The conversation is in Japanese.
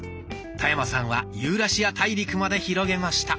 田山さんはユーラシア大陸まで広げました。